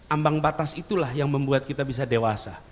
ambang batas itulah yang membuat kita bisa dewasa